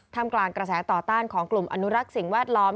กลางกระแสต่อต้านของกลุ่มอนุรักษ์สิ่งแวดล้อม